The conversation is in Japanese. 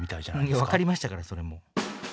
分かりましたからそれもう。